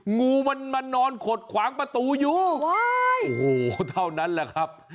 งูมันมานอนขดขวางประตูอยู่โอ้โหเท่านั้นแหละครับ